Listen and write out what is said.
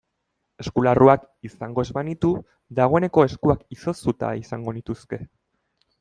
Eskularruak izango ez banitu dagoeneko eskuak izoztuta izango nituzke.